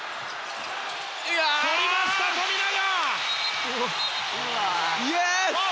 とりました、富永！